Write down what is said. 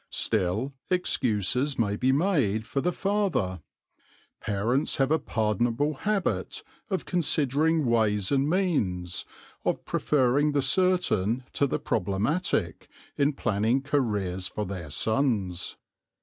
Still excuses may be made for the father. Parents have a pardonable habit of considering ways and means, of preferring the certain to the problematic, in planning careers for their sons.